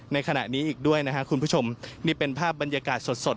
ในขณะนี้อีกด้วยนะครับคุณผู้ชมนี่เป็นภาพบรรยากาศสดสด